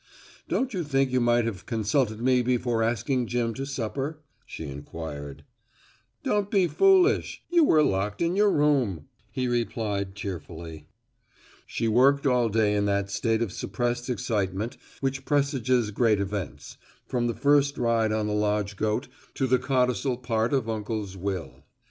"Don't you think you might have consulted me before asking Jim to supper?" she inquired. "Don't be foolish," he replied cheerfully, "you were locked in your room." She worked all day in that state of suppressed excitement which presages great events, from the first ride on the lodge goat to the codicil part of uncle's will.